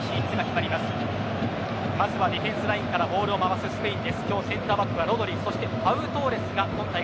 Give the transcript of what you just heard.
まずはディフェンスラインからボールを回すスペイン。